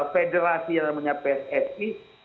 federasi yang namanya pssp